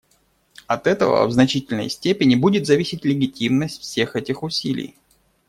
От этого в значительной степени будет зависеть легитимность всех этих усилий.